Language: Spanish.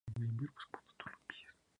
El concierto nunca es el mismo dos veces".